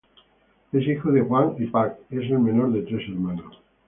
Es hijo de Hwang y Park, es el menor de tres hermanos.